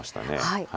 はい。